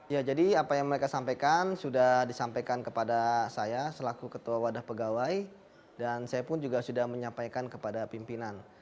ya jadi apa yang mereka sampaikan sudah disampaikan kepada saya selaku ketua wadah pegawai dan saya pun juga sudah menyampaikan kepada pimpinan